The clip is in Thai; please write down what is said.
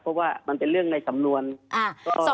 เพราะว่ามันเป็นเรื่องในสำนวน